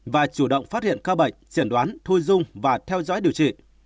và chủ động phát hiện ca bệnh chẩn đoán thu dung và theo dõi điều trị